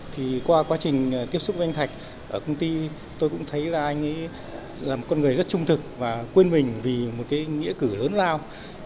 thì qua quá trình tiếp xúc với anh thạch ở công ty tôi cũng thấy là anh ấy là một con người rất trung thực và quên mình vì một cái nghĩa cử lớn lao